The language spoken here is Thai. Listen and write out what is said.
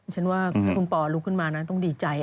ฉันว่าคุณปอลูกขึ้นมาต้องดีใจ